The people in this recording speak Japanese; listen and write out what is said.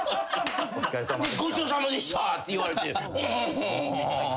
ごちそうさまでした！って言われておうみたいな。